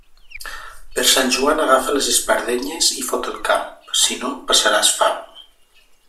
Per Sant Joan, agafa les espardenyes i fot el camp, si no, passaràs fam.